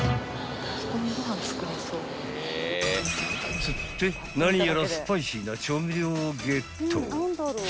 ［っつって何やらスパイシーな調味料をゲット］